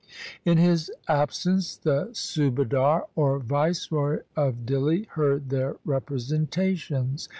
In his absence the Subadar or viceroy of Dihli heard their representations.